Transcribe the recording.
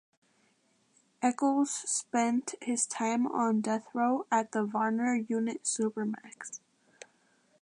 Echols spent his time on death row at the Varner Unit Supermax.